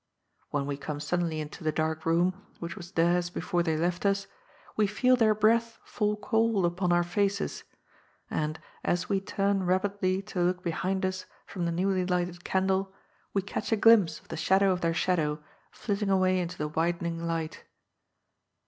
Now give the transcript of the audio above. When we come suddenly into the dark room, which was theirs be fore they left us, we feel their breath fall cold upon our faces, and, as we turn rapidly to look behind us from the newly lighted candle, we catch a glimpse of the shadow of their shadow flitting away into the widening light.